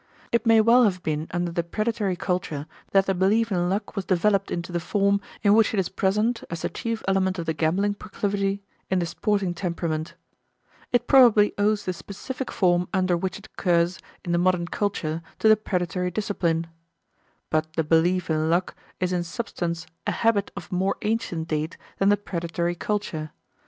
It may well have been under the predatory culture that the belief in luck was developed into the form in which it is present, as the chief element of the gambling proclivity, in the sporting temperament. It probably owes the specific form under which it occurs in the modern culture to the predatory discipline. But the belief in luck is in substance a habit of more ancient date than the predatory culture.